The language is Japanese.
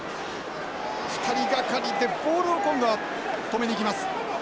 ２人がかりでボールを今度は止めにいきます。